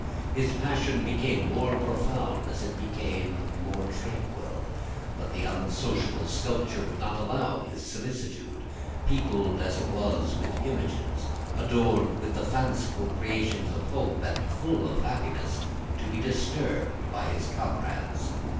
His passion became more profound as it became more tranquil. But the unsociable sculptor would not allow his solitude, peopled as it was with images, adorned with the fanciful creations of hope, and full of happiness, to be disturbed by his comrades.